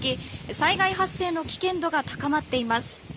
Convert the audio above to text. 災害発生の危険度が高まっています。